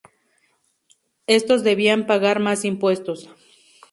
Estos debían pagar más impuestos.